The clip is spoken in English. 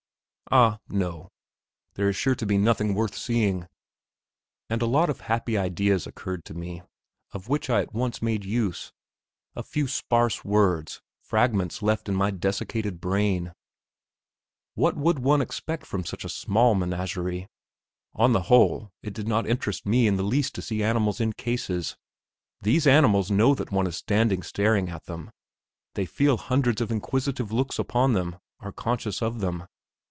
"Ah, no; there is sure to be nothing worth seeing!" And a lot of happy ideas occurred to me, of which I at once made use; a few sparse words, fragments left in my dessicated brain. What would one expect from such a small menagerie? On the whole, it did not interest me in the least to see animals in cases. These animals know that one is standing staring at them; they feel hundreds of inquisitive looks upon them; are conscious of them.